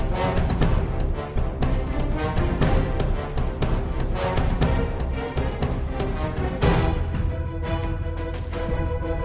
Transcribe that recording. masih kadang quarantinenya